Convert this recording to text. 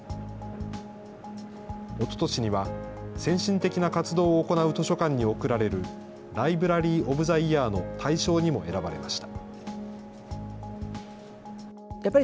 おととしには、先進的な活動を行う図書館に贈られる、ライブラリー・オブ・ザ・イヤーの大賞にも選ばれました。